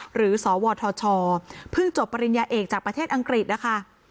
หรือสวทชเพิ่งจบปริญญาเอกจากประเทศอังกฤษนะคะ